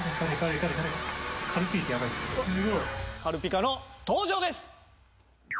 軽ピカの登場です。